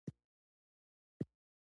ډکه کاسه چړپېږي.